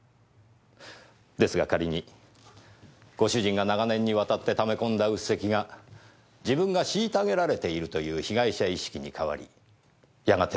ですが仮にご主人が長年にわたって溜め込んだ鬱積が自分が虐げられているという被害者意識に変わりやがてはあなたへの殺意に変わったとします。